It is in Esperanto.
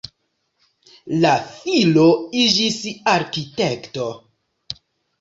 Lia filo iĝis arkitekto.